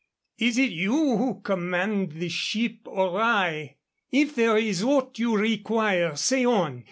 "Is it you who command the ship or I? If there is aught you require, say on.